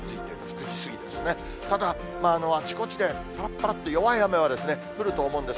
９時過ぎですね、ただ、あちこちでぱらぱらっと弱い雨が降ると思うんです。